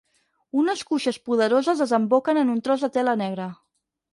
Unes cuixes poderoses desemboquen en un tros de tela negra.